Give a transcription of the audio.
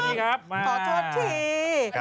สวัสดีครับขอโทษที